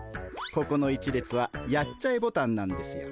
ここの１列はやっちゃえボタンなんですよ。